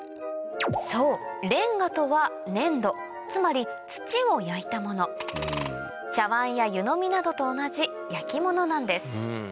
そうれんがとは粘土つまり土を焼いたもの茶わんや湯飲みなどと同じ焼き物なんです